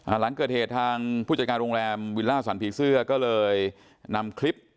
หลังเกิดเหตุทางผู้จัดการโรงแรมวิลล่าสันผีเสื้อก็เลยนำคลิป